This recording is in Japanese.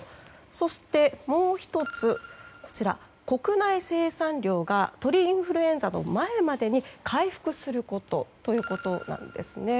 そして、もう１つは国内生産量が鳥インフルエンザの前までに回復することなんですね。